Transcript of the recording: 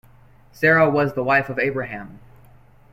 Sarah was the wife of Abraham.